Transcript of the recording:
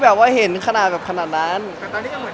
แล้วถ่ายละครมันก็๘๙เดือนอะไรอย่างนี้